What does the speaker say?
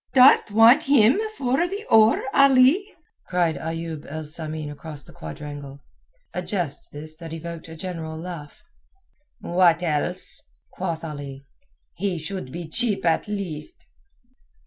"Dost want him for the oar, Ali?" cried Ayoub el Samin across the quadrangle, a jest this that evoked a general laugh. "What else?" quoth Ali. "He should be cheap at least."